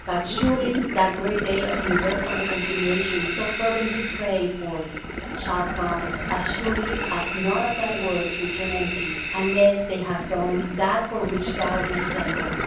But surely that great day of universal reconciliation, so fervently prayed for, shall come, as surely as none of Thy words return empty, unless they have done that for which Thou didst send them.